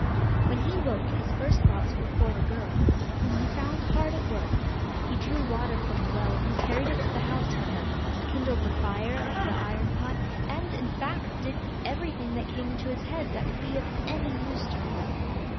When he woke his first thoughts were for the girl, whom he found hard at work. He drew water from the well and carried it to the house for her, kindled the fire under the iron pot, and, in fact, did everything that came into his head that could be of any use to her.